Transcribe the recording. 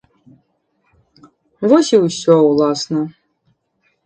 Вось і ўсё ўласна.